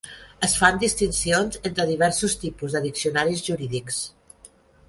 Es fan distincions entre diversos tipus de diccionaris jurídics.